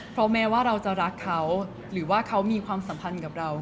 เพราะแม้ว่าเราจะรักเขาหรือว่าเขามีความสัมพันธ์กับเรา